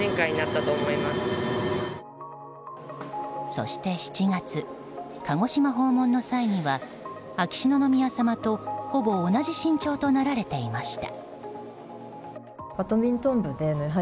そして７月鹿児島訪問の際には秋篠宮さまとほぼ同じ身長となられていました。